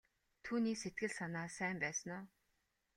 Түүний сэтгэл санаа сайн байсан уу?